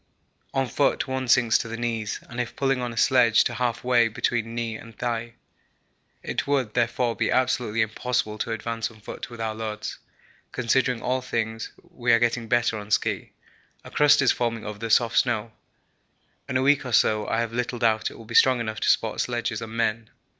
On foot one sinks to the knees, and if pulling on a sledge to half way between knee and thigh. It would, therefore, be absolutely impossible to advance on foot with our loads. Considering all things, we are getting better on ski. A crust is forming over the soft snow. In a week or so I have little doubt it will be strong enough to support sledges and men.